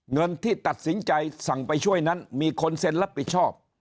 เงินที่ตัดสินใจสั่งไปช่วยนั้นมีคนเซ็นรับผิดชอบ